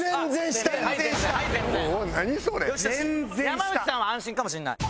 山内さんは安心かもしれない。